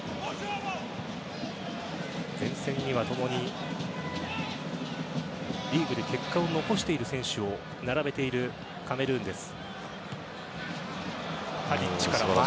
前線には共にリーグで結果を残している選手を並べているカメルーンです。